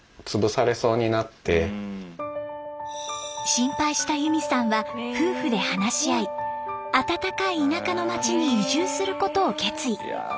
心配したゆみさんは夫婦で話し合いあたたかい田舎の町に移住することを決意。